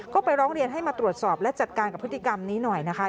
ก็ไปร้องเรียนให้มาตรวจสอบและจัดการกับพฤติกรรมนี้หน่อยนะคะ